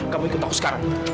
kamu ikut aku sekarang